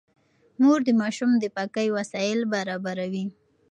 مور د ماشوم د پاکۍ وسايل برابروي.